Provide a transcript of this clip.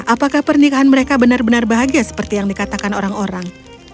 apakah pernikahan mereka benar benar bahagia seperti yang dikatakan orang orang